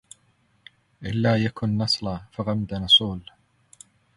إلا يكن نصلا فغمد نصول